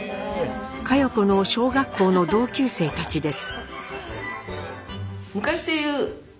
佳代子の小学校の同級生たちです。